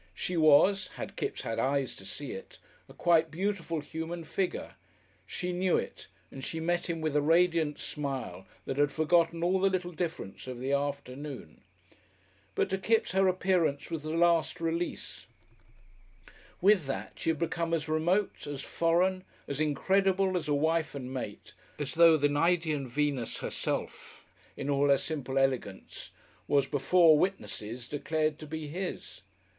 She was had Kipps had eyes to see it a quite beautiful human figure; she knew it and she met him with a radiant smile that had forgotten all the little difference of the afternoon. But to Kipps her appearance was the last release. With that, she had become as remote, as foreign, as incredible as a wife and mate, as though the Cnidian Venus herself, in all her simple elegance, was before witnesses, declared to be his.